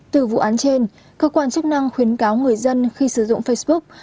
từ vụ án trên cơ quan chức năng khuyến cáo người dân khi sử dụng facebook